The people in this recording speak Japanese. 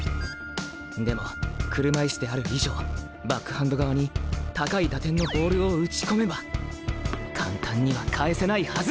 でも車いすである以上バックハンド側に高い打点のボールを打ち込めば簡単には返せないはず。